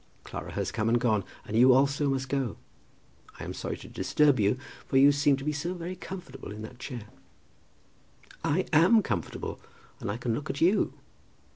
Clara has come and gone, and you also must go. I am sorry to disturb you, for you seem to be so very comfortable in that chair." "I am comfortable, and I can look at you.